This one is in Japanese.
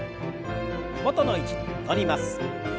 元の位置に戻ります。